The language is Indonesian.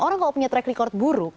orang kalau punya track record buruk